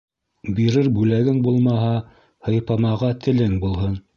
Бирер бүләгең булмаһа, һыйпамаға телең булһын.